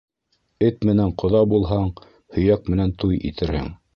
Эт менән ҡоҙа булһаң, һөйәк менән туй итерһең